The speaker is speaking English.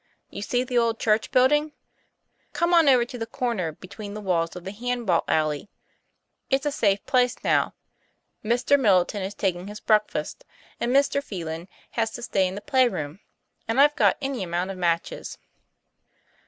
'You see the old church building? Come on over to that corner between the walls of the hand ball alley. It's a safe place now. Mr. Middle TOM PLA YFAIR. 85 ton is taking his breakfast, and Mr. Phelan has to stay in the playroom and I've got any amount of matches."